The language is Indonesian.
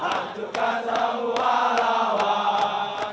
hancurkan semua lawan